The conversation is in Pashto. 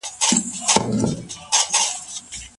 زه هیڅکله خپل وخت نه ضایع کوم.